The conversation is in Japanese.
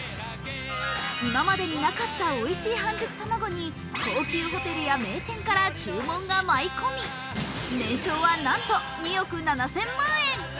今までになかったおいしい半熟卵に高級ホテルや料亭から注文が舞い込み、年商はなんと２億７０００万円。